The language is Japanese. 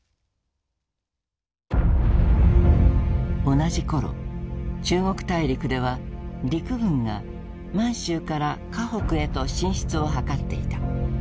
同じ頃中国大陸では陸軍が満州から華北へと進出を図っていた。